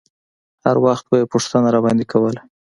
هر وخت به يې پوښتنه راباندې کوله.